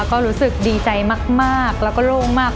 ก็รู้สึกดีใจมากแล้วก็โล่งมาก